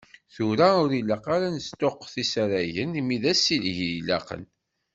Tura, ur ilaq ara ad nesṭuqqut isaragen, imi d asileɣ i ilaqen.